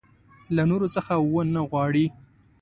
له نورو څه ونه وغواړي.